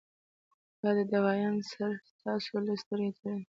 دا دوايانې صرف تاسو له سترګې توروي -